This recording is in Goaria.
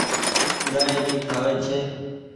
گآئي ڀي کآوي ڇي۔